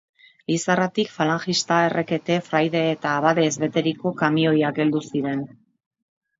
Lizarratik falangista, errekete, fraide eta abadeez beteriko kamioiak heldu ziren.